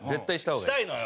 したいのよ！